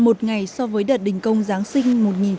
một ngày so với đợt đình công giáng sinh